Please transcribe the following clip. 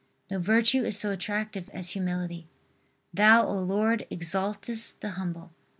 No virtue is so attractive as humility. Thou, O Lord, exaltest the humble.